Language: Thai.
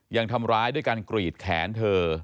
ยังทำร้ายด้วยการกรีดแขนเธอ